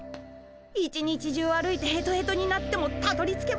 一日中歩いてヘトヘトになってもたどりつけません。